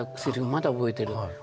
まだ覚えてるの。